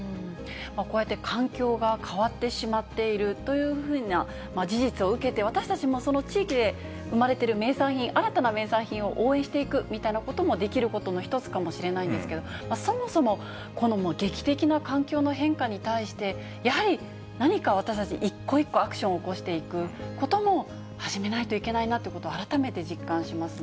こうやって環境が変わってしまっているというふうな事実を受けて、私たちもその地域で生まれている名産品、新たな名産品を応援していくみたいなこともできることの一つかもしれないんですけど、そもそも、この劇的な環境の変化に対して、やはり何か私たち、一個一個アクションを起こしていくことも始めないといけないなっていうことを、改めて実感しますね。